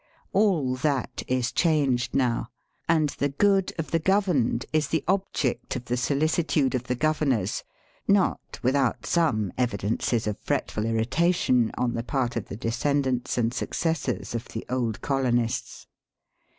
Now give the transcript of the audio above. All that is changed now, and the good of the governed is the object of the solicitude of the governors, not without some evidences of fretful irritation on the part of the descendants and successors of the old colonists.